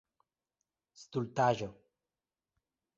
Stultaĵo!